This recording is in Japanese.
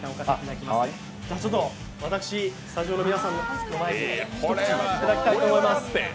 私、スタジオの皆さんの前にいただきたいと思います。